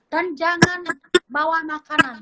dan jangan bawa makanan